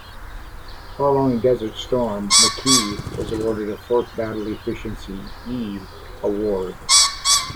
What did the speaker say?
Following Desert Storm, "McKee" was awarded a fourth Battle Efficiency "E" Award.